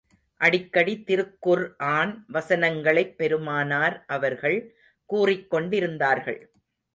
அடிக்கடி திருக்குர்ஆன் வசனங்களைப் பெருமானார் அவர்கள் கூறிக் கொண்டிருந்தார்கள்.